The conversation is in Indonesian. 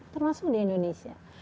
termasuk di indonesia